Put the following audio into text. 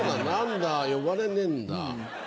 何だ呼ばれねえんだ。